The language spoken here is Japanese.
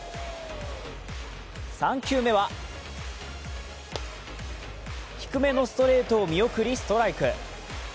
３球目は、低めのストレートを見送りストライク。